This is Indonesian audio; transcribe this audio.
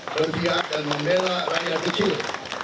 berpihak dan membela rakyat kecil